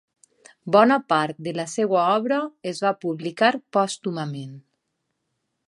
Bona part de la seva obra es va publicar pòstumament.